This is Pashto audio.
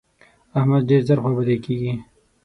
احمد ډېر ژر خوابدی کېږي.